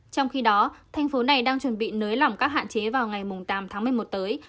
trong khi đó thành phố này đang chuẩn bị nới lỏng các hạn chế vào ngày tám tháng một mươi một tới